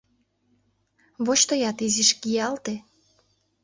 — Воч тыят, изиш киялте.